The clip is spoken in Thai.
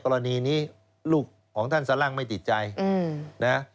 กรณีนี้ลูกของท่านสลั่งไม่ติดใจนะ